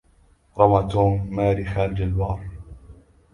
رمى توم ماري خارج البار.